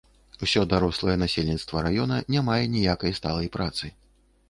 Усё дарослае насельніцтва раёна не мае ніякай сталай працы.